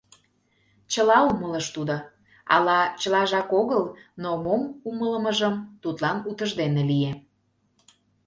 Чыла умылыш тудо ала чылажак огыл, но мом умылымыжат тудлан утыждене лие.